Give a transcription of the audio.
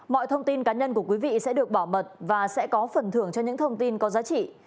mọi thông tin cá nhân của quý vị sẽ được bảo mật và sẽ có phần thưởng cho những thông tin có giá trị